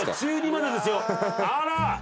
あら！